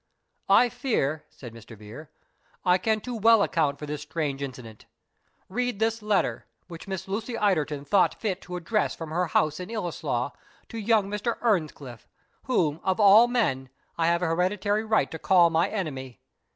"I fear," said Mr. Vere, "I can too well account for this strange incident. Read this letter, which Miss Lucy Ilderton thought fit to address from my house of Ellieslaw to young Mr. Earnscliff; whom, of all men, I have a hereditary right to call my enemy.